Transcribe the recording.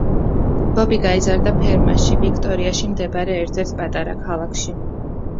ბობი გაიზარდა ფერმაში, ვიქტორიაში მდებარე ერთ-ერთ პატარა ქალაქში.